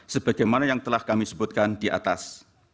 sebagaimana yang telah kami sebutkan di atas